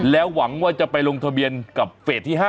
แล้วหวังว่าจะไปลงทะเบียนกับเฟสที่๕